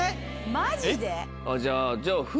マジで？